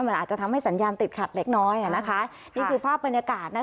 มันอาจจะทำให้สัญญาณติดขัดเล็กน้อยนี่คือภาพบรรยากาศนะคะ